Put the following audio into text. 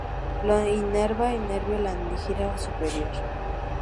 Lo inerva el nervio laríngeo superior.